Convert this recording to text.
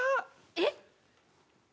えっ？